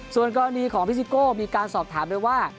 ส่วนกรณีของพิซิโก้มีการสอบถามไปว่า